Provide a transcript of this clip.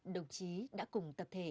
đồng chí đã cùng tập thể